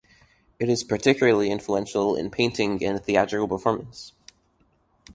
It is particularly influential in painting and theatrical performance.